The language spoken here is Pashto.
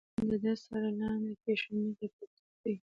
زلمی خان د ده سر لاندې کېښود، مخ یې په یوې ټوټې.